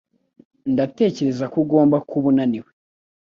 Ndatekereza ko ugomba kuba unaniwe